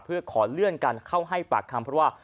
เพื่อขอเลื่อนการเข้าให้ปากคำเพราะว่า